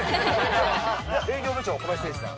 営業部長、小林誠司さん。